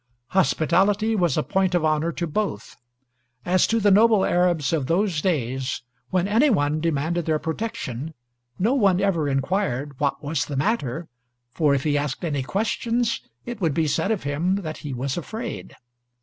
Hospitality was a point of honor to both. As to the noble Arabs of those days, when any one demanded their protection, no one ever inquired what was the matter; for if he asked any questions, it would be said of him that he was afraid.